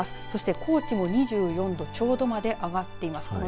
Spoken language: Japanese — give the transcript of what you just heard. そして高知も２４度ちょうどまで上がっています。